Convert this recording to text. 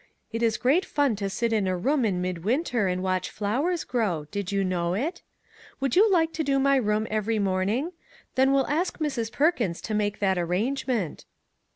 It is great fun to sit in a room in mid winter and watch flowers grow ; did you know it ? Would you like to do my room every morn ing? Then we'll ask Mrs. Perkins to make that arrangement."